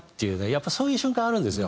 やっぱそういう瞬間あるんですよ